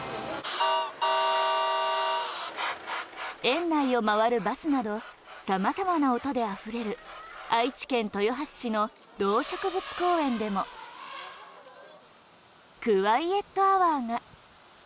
園内を回るバスなどさまざまな音であふれる愛知県豊橋市の動植物公園でもクワイエットアワーが。